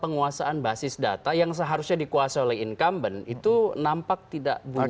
penguasaan basis data yang seharusnya dikuasai oleh incumbent itu nampak tidak punya